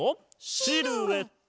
シルエット！